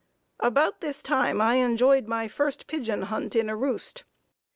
About this time I enjoyed my first pigeon hunt in a roost.